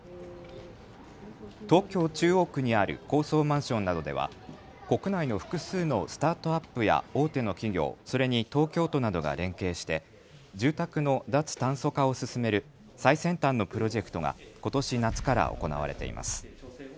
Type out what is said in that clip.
東京中央区にある高層マンションなどでは国内の複数のスタートアップや大手の企業、それに東京都などが連携して住宅の脱炭素化を進める最先端のプロジェクトがことし夏から行われています。